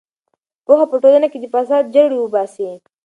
پوهه په ټولنه کې د فساد جرړې وباسي.